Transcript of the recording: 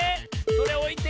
それおいて。